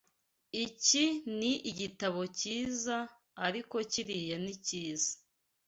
Iki ni igitabo cyiza, ariko kiriya ni cyiza.